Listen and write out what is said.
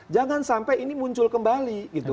jangan sampai ini muncul kembali